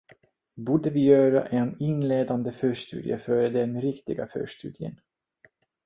Borde vi göra en inledande förstudie före den riktiga förstudien?